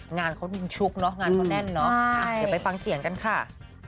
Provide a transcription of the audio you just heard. งานเขามีชุกเนาะงานเขาแน่นเนาะไปฟังเสียงกันค่ะ